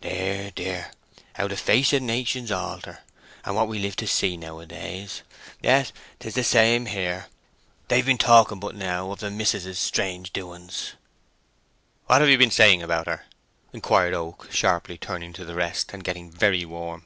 "Dear, dear—how the face of nations alter, and what we live to see nowadays! Yes—and 'tis the same here. They've been talking but now of the mis'ess's strange doings." "What have you been saying about her?" inquired Oak, sharply turning to the rest, and getting very warm.